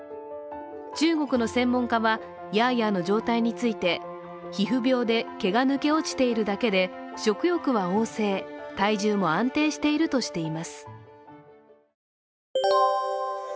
中国の専門家は、ヤーヤーの状態について皮膚病で毛が抜け落ちているだけで、食欲は旺盛、体重も安定しているとしています。